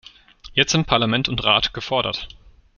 Jetzt sind Parlament und Rat gefordert.